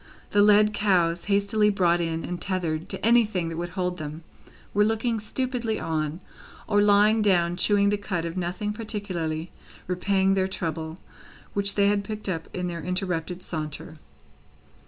The led cows, hastily brought in and tethered to anything that would hold them, were looking stupidly on, or lying down chewing the cud of nothing particularly repaying their trouble, which they had picked up in their interrupted saunter.